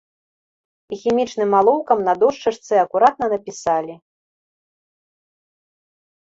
І хімічным алоўкам на дошчачцы акуратна напісалі.